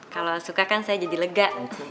kalau suka kan saya jadi lega